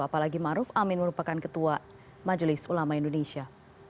apalagi maruf amin merupakan ketua majelis ulama indonesia